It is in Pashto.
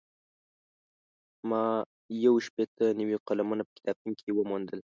ما یو شپېته نوي قلمونه په کتابتون کې وموندل.